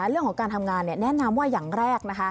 เรื่องของการทำงานแนะนำว่าอย่างแรกนะคะ